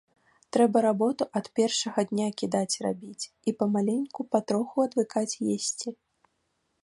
Трэба работу ад першага дня кідаць рабіць і памаленьку патроху адвыкаць есці.